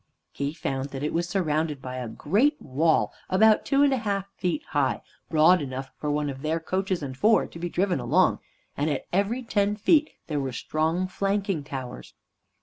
He found that it was surrounded by a great wall about two and a half feet high, broad enough for one of their coaches and four to be driven along, and at every ten feet there were strong flanking towers.